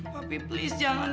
papi please jangan